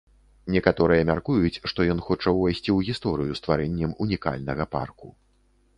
Некаторыя мяркуюць, што ён хоча ўвайсці ў гісторыю стварэннем унікальнага парку.